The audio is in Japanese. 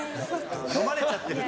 ・のまれちゃってる